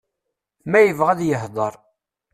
Ma yebɣa ad yehder.